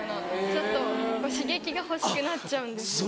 ちょっと刺激が欲しくなっちゃうんですよね。